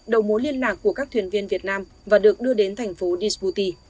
đầu mối liên lạc của các thuyền viên việt nam và được đưa đến thành phố desputi